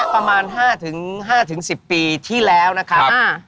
ประมาณ๕๕๑๐ปีที่แล้วนะครับ